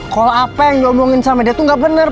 call apa yang diomongin sama dia tuh gak bener